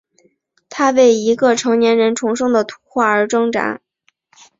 他为一个成年人重生的图画而挣扎。